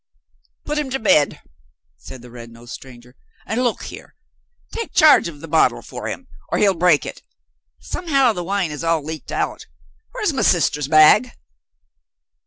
"Put him to bed," said the red nosed stranger. "And, look here, take charge of the bottle for him, or he'll break it. Somehow, the wine has all leaked out. Where's my sister's bag?"